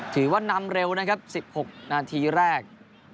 ถือว่านำเร็วนะครับ๑๖นาทีแรก